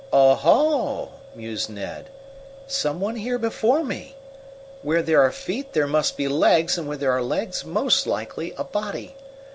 "Oh, ho!" mused Ned. "Some one here before me! Where there are feet there must be legs, and where there are legs, most likely a body.